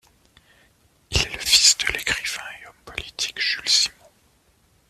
Il est le fils de l'écrivain et homme politique Jules Simon.